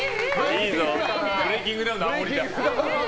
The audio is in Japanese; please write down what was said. いいぞブレイキングダウンのあおりだ。